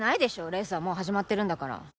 レースはもう始まってるんだから」